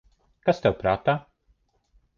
Kas tev prātā?